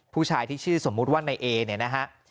ผู้ชายที่ชื่อสมมุติว่านายเอเนี่ยนะฮะ